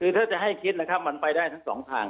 คือถ้าจะให้คิดนะครับมันไปได้ทั้งสองทาง